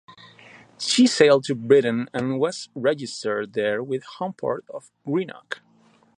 She sailed to Britain and was registered there with homeport of Greenock.